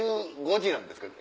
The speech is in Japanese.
１５時なんですか？